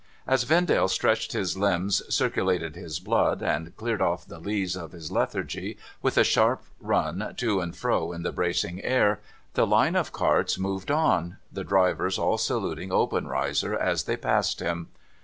As Vendale stretched his limbs, circulated his blood, and cleared off the lees of his lethargy, with a sharp run to and fro in the bracing air, the line of carts moved on : the drivers all saluting Obenreizer as they passed him.